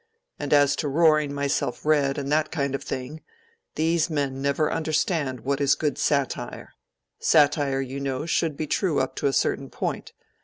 And as to roaring myself red and that kind of thing—these men never understand what is good satire. Satire, you know, should be true up to a certain point.